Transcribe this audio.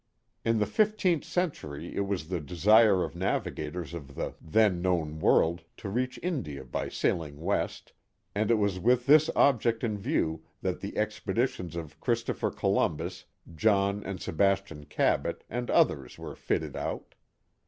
In the fifteenth century it was the desire of navigators of the then known world to reach India by sailing west, and it was with this object in view that the expeditions of Christo pher Columbus, John and Sebastian Cabot, and others were fitted out.